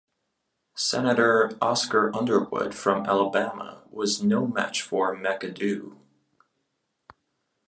Senator Oscar Underwood from Alabama was no match for McAdoo.